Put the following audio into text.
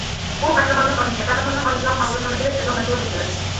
ئۇ قەھرىماننىڭ ئانىسى، قەھرىماننىڭ ئانىسىنىڭ ھالىدىن خەۋەر ئېلىش بىزنىڭ مەسئۇلىيىتىمىز.